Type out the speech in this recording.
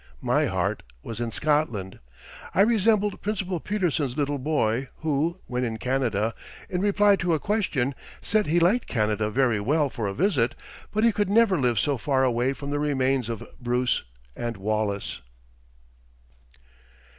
My heart was in Scotland. I resembled Principal Peterson's little boy who, when in Canada, in reply to a question, said he liked Canada "very well for a visit, but he could never live so far away from the remains of Bruce and Wallace."